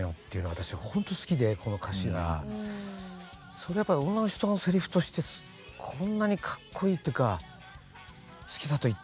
それやっぱり女の人のせりふとしてこんなにかっこいいっていうか「好きだと言ってるじゃないの」って